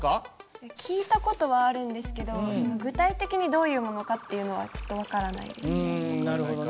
聞いた事はあるんですけど具体的にどういうものかっていうのはちょっと分からないですね。